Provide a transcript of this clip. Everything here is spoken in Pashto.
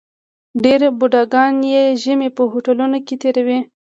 ډېر بوډاګان یې ژمی په هوټلونو کې تېروي.